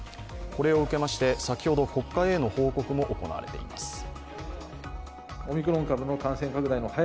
これを受けまして、先ほど国会への報告も行われています。